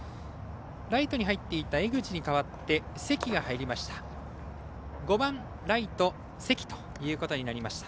ライトに入っていた江口に代わって関が入りました。